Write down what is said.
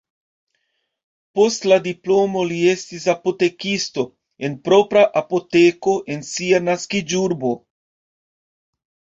Post la diplomo li estis apotekisto en propra apoteko en sia naskiĝurbo.